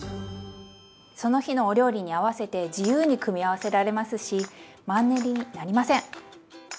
その日のお料理に合わせて自由に組み合わせられますしマンネリになりません！